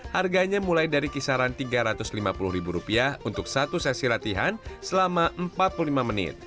harganya mulai dari kisaran rp tiga ratus lima puluh untuk satu sesi latihan selama empat puluh lima menit